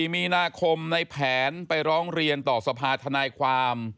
มีนาคมในแผนไปร้องเรียนต่อสภาธนายความ